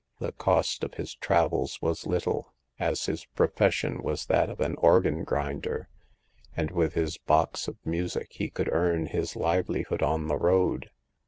The cost of his travels was little, as his profession was that of an organ grinder, and with his box of music he could earn his livelihood on the road.